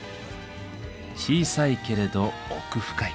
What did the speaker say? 小さいけれど奥深い。